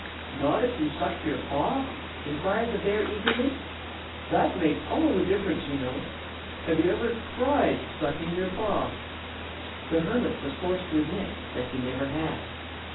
"Not if you sucked your paw?" inquired the bear, eagerly. "That makes all the difference, you know. Have you ever tried sucking your paw?" The hermit was forced to admit that he never had.